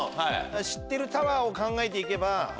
知ってるタワーを考えて。